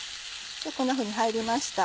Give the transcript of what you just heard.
こんなふうに入りました。